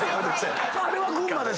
あれは群馬ですね？